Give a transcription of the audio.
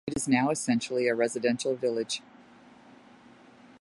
It is now essentially a residential village.